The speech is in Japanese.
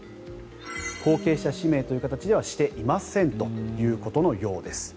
後継者指名という形ではしていませんということのようです。